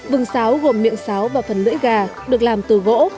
vừng sáo gồm miệng sáo và phần lưỡi gà được làm từ gỗ